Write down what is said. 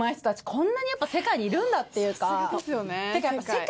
こんなにやっぱ世界にいるんだっていうか。